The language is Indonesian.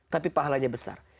tapi pahalanya besar